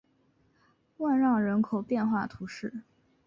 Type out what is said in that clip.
万让人口变化图示